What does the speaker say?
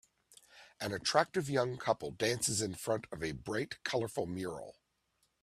An attractive young couple dances in front of a bright colorful mural